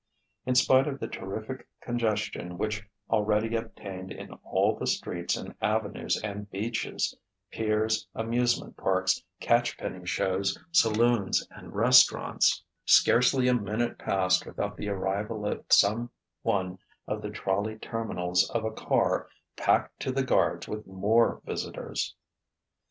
In spite of the terrific congestion which already obtained in all the streets and avenues and beaches, piers, amusement parks, catch penny shows, saloons, and restaurants, scarcely a minute passed without the arrival at some one of the trolley terminals of a car packed to the guards with more visitors.